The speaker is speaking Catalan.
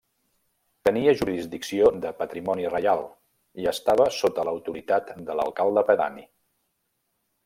Tenia jurisdicció de patrimoni reial i estava sota l'autoritat de l'alcalde pedani.